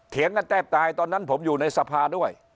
กันแทบตายตอนนั้นผมอยู่ในสภาด้วย